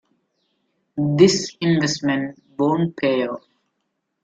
This investment won't pay off.